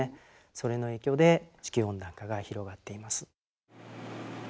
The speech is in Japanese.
それの影響で地球温暖化が広がっています。